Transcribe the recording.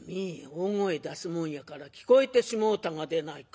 大声出すもんやから聞こえてしもうたがでないか」。